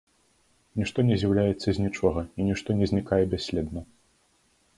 Нішто не з'яўляецца з нічога, і нішто не знікае бясследна.